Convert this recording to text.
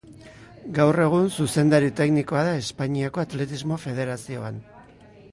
Gaur egun zuzendari teknikoa da Espainiako Atletismo Federazioan.